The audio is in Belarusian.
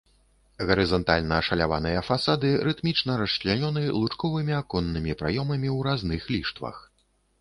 Гарызантальна ашаляваныя фасады рытмічна расчлянёны лучковымі аконнымі праёмамі ў разных ліштвах.